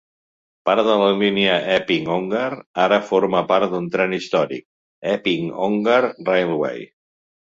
Part de la línia Epping-Ongar ara forma part d'un tren històric, l'Epping Ongar Railway.